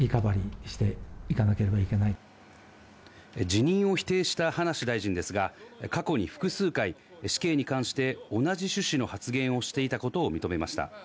辞任を否定した葉梨大臣ですが、過去に複数回、死刑に関して同じ趣旨の発言をしていたことを認めました。